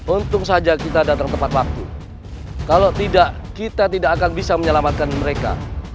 untung saja kita datang tepat waktu kalau tidak kita tidak akan bisa menyelamatkan mereka